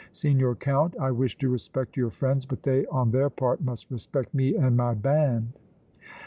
Signor Count, I wish to respect your friends, but they on their part must respect me and my band!"